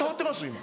今。